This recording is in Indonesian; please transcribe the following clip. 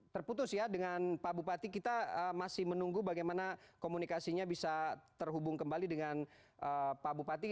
terputus ya dengan pak bupati kita masih menunggu bagaimana komunikasinya bisa terhubung kembali dengan pak bupati